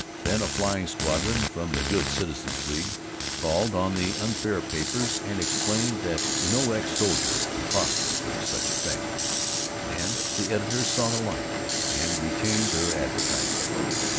Then a flying squadron from the Good Citizens' League called on the unfair papers and explained that no ex soldier could possibly do such a thing, and the editors saw the light, and retained their advertising.